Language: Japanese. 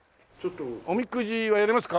おみくじはやりますか？